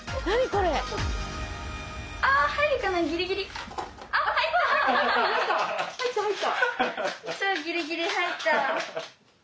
超ギリギリ入った。